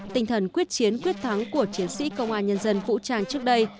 tinh thần quyết chiến quyết thắng của chiến sĩ công an nhân dân vũ trang trước đây